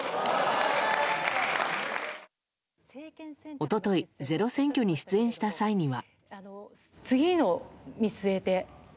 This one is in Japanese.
一昨日、「ｚｅｒｏ選挙」に出演した際には。